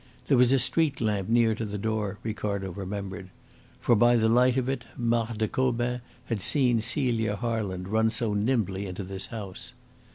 There was a street lamp near to the door, Ricardo remembered. For by the light of it Marthe Gobin had seen Celia Harland run so nimbly into this house.